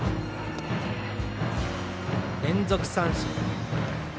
連続三振。